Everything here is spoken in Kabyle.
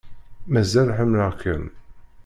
Mazal ḥemmleɣ-kem.